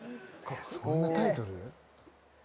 そんなタイトル？